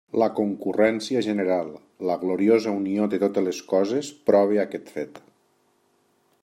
La concurrència general, la gloriosa unió de totes les coses prova aquest fet.